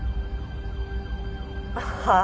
はあ？